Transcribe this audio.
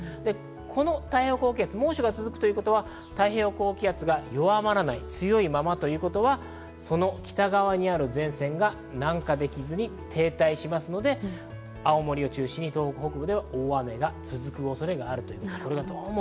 この太平洋高気圧、猛暑が続くということは、太平洋高気圧が強いままということで、北側にある前線が南下できずに停滞しますので、青森を中心に東北北部では大雨が続く恐れがあるということです。